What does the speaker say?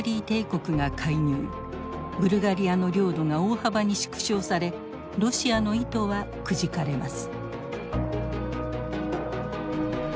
ブルガリアの領土が大幅に縮小されロシアの意図はくじかれます。